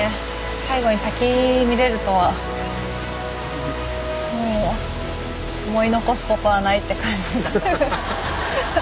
最後に滝見れるとはもう思い残すことはないって感じ。